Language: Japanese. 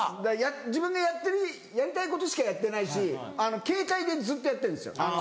自分のやりたいことしかやってないしケータイでずっとやってんですよ。